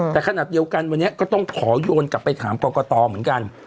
แต่ขณะเดียวกันวันนี้ก็ต้องขอโยนกลับไปถามกรกตเหมือนกัน